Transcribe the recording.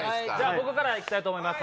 僕から行きたいと思います。